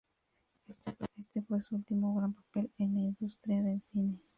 Este fue su último gran papel en la industria del cine.